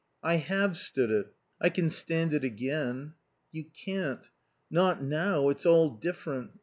"I have stood it. I can stand it again." "You can't. Not now. It's all different.